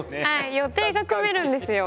予定が組めるんですよ。